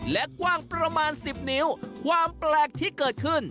และกว้างประมาณ๑๐นิ้วความแปลกที่เกิดขึ้น